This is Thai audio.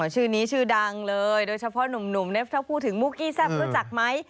ชื่อนี้ชื่อดังเลยโดยเฉพาะหนุ่มเนี่ยถ้าพูดถึงมุกกี้แซ่บรู้จักไหม